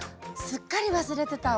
すっかり忘れてた。